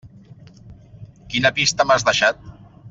Quina pista m'has deixat?